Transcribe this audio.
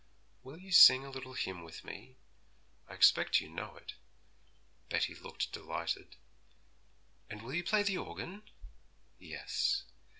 Will you sing a little hymn with me? I expect you know it.' Betty looked delighted. 'And will you play the organ?' 'Yes.'